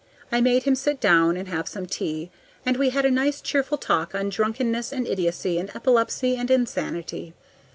I made him sit down and have some tea, and we had a nice, cheerful talk on drunkenness and idiocy and epilepsy and insanity.